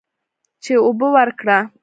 چې اوبه ورکړه.